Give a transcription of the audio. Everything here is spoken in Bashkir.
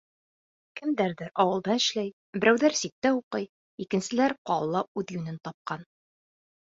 Кемдәрҙер ауылда эшләй, берәүҙәр ситтә уҡый, икенселәр ҡалала үҙ йүнен тапҡан.